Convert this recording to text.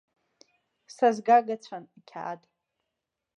Сазгагацәан ақьаад.